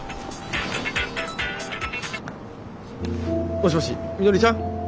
もしもしみのりちゃん？